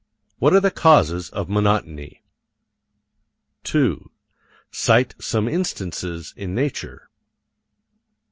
What are the causes of monotony? 2. Cite some instances in nature.